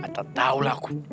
gak tahu lah